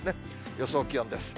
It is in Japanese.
予想気温です。